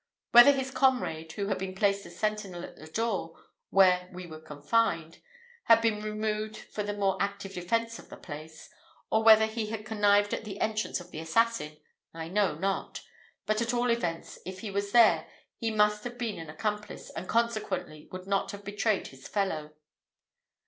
Whether his comrade, who had been placed as sentinel at the door where we were confined, had been removed for the more active defence of the place, or whether he had connived at the entrance of the assassin, I know not; but at all events, if he was there, he must have been an accomplice, and consequently would not have betrayed his fellow.